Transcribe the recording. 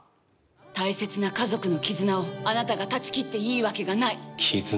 大切な家族の絆をあなたが断ち切っていいわけがない絆？